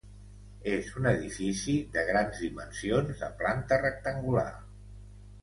És un edifici de grans dimensions, de planta rectangular.